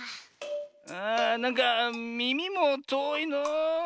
ああなんかみみもとおいのう。